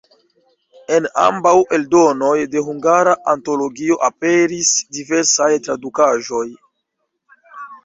En ambaŭ eldonoj de Hungara Antologio aperis diversaj tradukaĵoj.